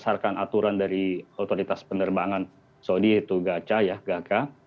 berdasarkan aturan dari otoritas penerbangan saudi yaitu gaca ya gaca